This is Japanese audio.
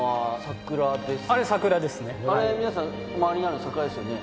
あれ皆さん周りにあるの桜ですよね。